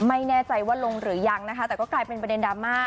ไม่แน่ใจว่าลงหรือยังนะคะแต่ก็กลายเป็นประเด็นดราม่า